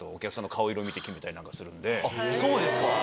そうですか！